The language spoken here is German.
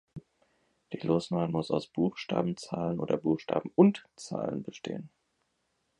Die Losnummer muss aus Buchstaben, Zahlen oder Buchstaben "und" Zahlen bestehen.